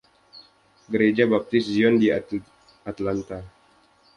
Gereja Baptis Zion di Atlanta.